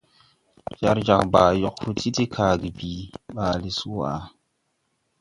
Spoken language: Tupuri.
Jar jag Baa yog wo ti de kage bii ɓaale swaʼa.